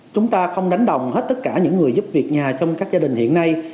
chúng ta không đánh đồng hết tất cả những người giúp việc nhà trong các gia đình hiện nay